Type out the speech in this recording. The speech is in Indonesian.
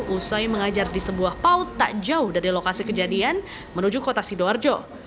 usai mengajar di sebuah paut tak jauh dari lokasi kejadian menuju kota sidoarjo